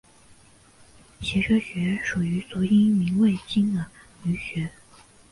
颊车穴是属于足阳明胃经的腧穴。